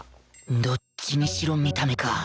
どっちにしろ見た目か